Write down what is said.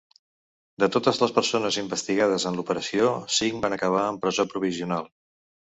De totes les persones investigades en l’operació, cinc van acabar en presó provisional.